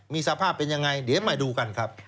มีสภาพเป็นยังไงเดี๋ยวมาดูกันครับ